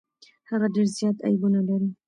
هغه ډیر زيات عيبونه لري.